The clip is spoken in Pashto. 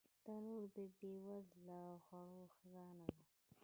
تنور د بې وزله خوړو خزانه ده